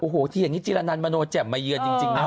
โอ้โหที่เห็นนี่จิลานันต์มโนเจ็บมายืนจริงนะ